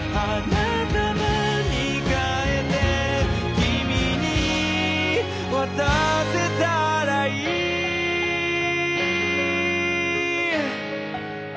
「君に渡せたらいい」